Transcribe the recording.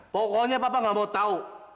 pokoknya papa gak mau tau